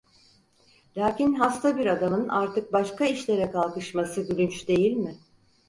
Lâkin hasta bir adamın artık başka işlere kalkışması gülünç değil mi?